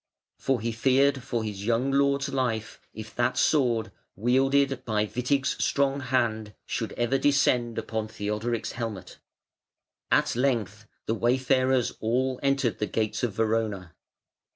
For he feared for his young lord's life if that sword, wielded by Witig's strong hand, should ever descend upon Theodoric's helmet. At length the wayfarers all entered the gates of Verona.